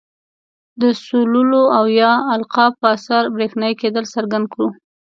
د سولولو او یا القاء په اثر برېښنايي کیدل څرګند کړو.